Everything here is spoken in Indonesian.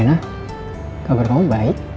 rena kabar kamu baik